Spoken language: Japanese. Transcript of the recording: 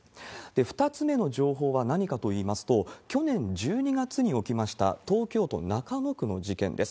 ２つ目の情報は何かといいますと、去年１２月に起きました東京都中野区の事件です。